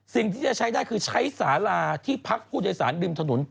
สิ่งที่จะใช้ได้คือใช้สาราที่พักผู้โดยสารริมถนน